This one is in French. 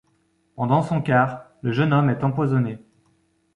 Pendant son quart, le jeune homme est empoisonné.